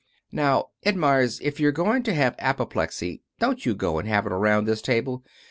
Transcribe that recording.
Now, Ed Meyers, if you're going to have apoplexy don't you go and have it around this table.